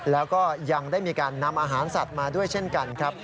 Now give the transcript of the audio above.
แล้วก็ยังได้มีการนำอาหารสัตว์มาด้วยเช่นกันครับ